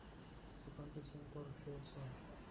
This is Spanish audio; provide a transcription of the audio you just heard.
Su canto es un gorjeo suave.